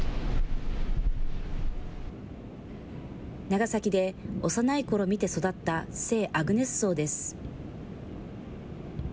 長崎で幼いころ見て育った聖アグネス像です。